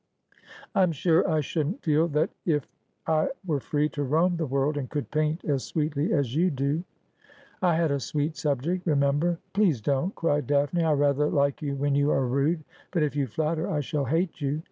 ' I'm sure I shouldn't feel that if I were free to roam the world, and could paint as sweetly as you do.' ' I had a sweet subject, remember.' ' Please don't,' cried Daphne ;' I rather like you when you are rude, but if you flatter I shall hate you.'